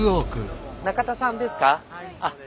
中田さんですか？